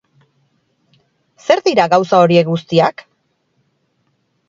Zer dira gauza horiek guztiak?